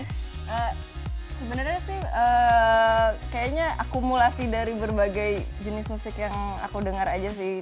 sebenarnya sih kayaknya akumulasi dari berbagai jenis musik yang aku dengar aja sih